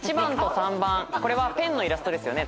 これはペンのイラストですよね